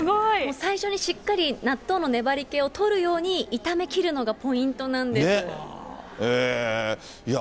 最初にしっかり納豆の粘りけをとるように炒め切るのがポインいや、